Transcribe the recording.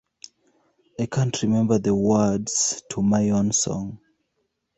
I can't remember the words to my own song!